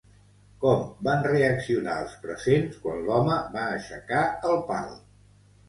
Com van reaccionar els presents quan l'home va aixecar el pal?